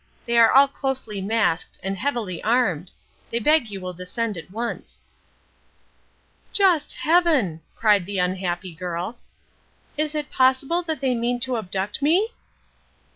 They are all closely masked and heavily armed. They beg you will descend at once." "Just Heaven!" cried the Unhappy Girl. "Is it possible that they mean to abduct me?"